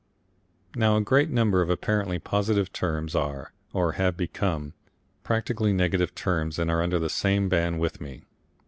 Now a great number of apparently positive terms are, or have become, practically negative terms and are under the same ban with me.